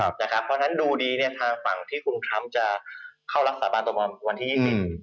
เพราะฉะนั้นดูดีเนี่ยทางฝั่งที่คุณทรัมป์จะเข้ารักษาบานต่อวันที่๒๐